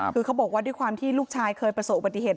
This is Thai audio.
คือเขาบอกว่าด้วยความที่ลูกชายเคยประสบอุบัติเหตุ